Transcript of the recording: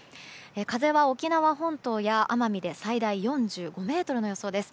風は沖縄本島や奄美で最大４５メートルの予想です。